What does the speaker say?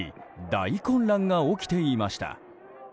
大混乱が起きていました。